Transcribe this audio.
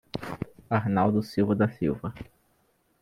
Arnaldo Silva da Silva